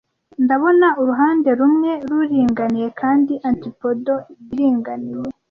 Ndabona uruhande rumwe ruringaniye kandi antipodal iringaniye,